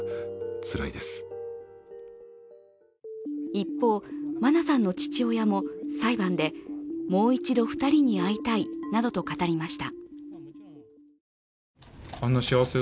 一方、真菜さんの父親も裁判でもう一度２人に会いたいなどと語りました。